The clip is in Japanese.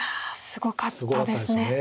すごかったです。